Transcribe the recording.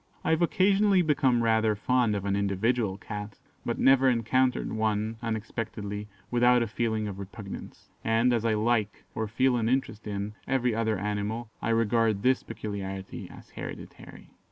I have occasionally become rather fond of an individual Cat, but never encounter one, unexpectedly, without a feeling of repugnance; and, as I like, or feel an interest in, every other animal, I regard this peculiarity as hereditary."